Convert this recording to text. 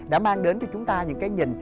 đã mang đến cho chúng ta những cái nhìn